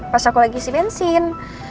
pas aku lagi si bensin